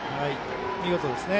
見事ですね。